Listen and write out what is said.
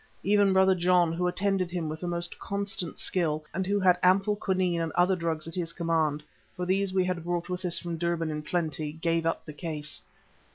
Even Brother John, who attended him with the most constant skill, and who had ample quinine and other drugs at his command, for these we had brought with us from Durban in plenty, gave up the case.